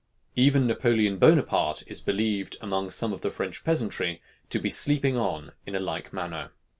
Even Napoleon Bonaparte is believed among some of the French peasantry to be sleeping on in a like manner.